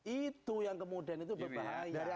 itu yang kemudian itu berbahaya